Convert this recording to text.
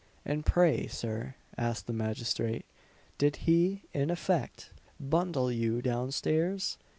"And pray, Sir," asked the magistrate, "did he, in effect, 'bundle' you down stairs?"